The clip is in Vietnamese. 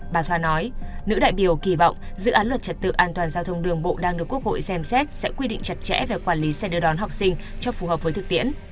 bà thoa nói nữ đại biểu kỳ vọng dự án luật trật tự an toàn giao thông đường bộ đang được quốc hội xem xét sẽ quy định chặt chẽ về quản lý xe đưa đón học sinh cho phù hợp với thực tiễn